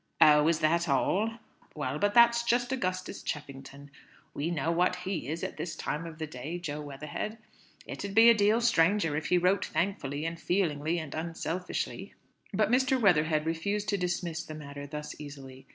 "Oh, is that all? Well, but that's just Augustus Cheffington. We know what he is at this time of day, Jo Weatherhead. It 'ud be a deal stranger if he wrote thankfully, and feelingly, and unselfishly." But Mr. Weatherhead refused to dismiss the matter thus easily.